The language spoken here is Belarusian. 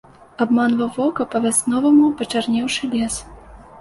Абманваў вока па-вясноваму пачарнеўшы лес.